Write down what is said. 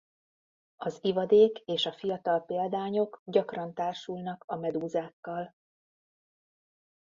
Az ivadék és a fiatal példányok gyakran társulnak a medúzákkal.